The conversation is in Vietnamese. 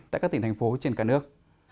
tại các tỉnh thành phố trên cả nước